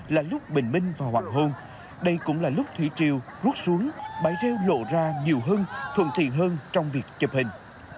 là lúc bình minh và hoàng hôn đây cũng là lúc thủy triều rút xuống bãi rêu lộ ra nhiều hơn thuận tiện hơn trong việc chụp hình